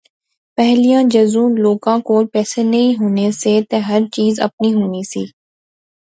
پہلیاں جذوں لوکاں کول پیسے نی سی ہونے تے ہر چیز آپنی ہونی سی